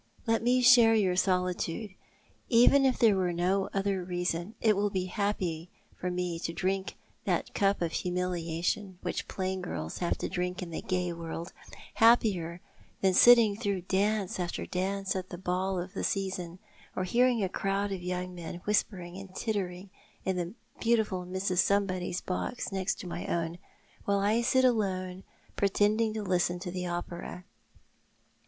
Let me share your solitude. Even if there were no other reason — it will be happier for me than to drink that cup of humiliation which plain girls have to drink in the gay world — happier than sitting through dance after dance at the ball of the season — or hearing a crowd of young men whispering and tittering in the beautiful Mrs. Somebody's box next my own, while I sit alone, pretending to listen to the opera.